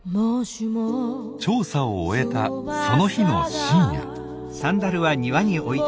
調査を終えたその日の深夜。